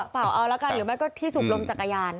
เป่าเอาละกันหรือไม่ก็ที่สูบลมจักรยาน